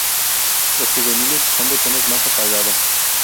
Los juveniles son de tonos más apagado.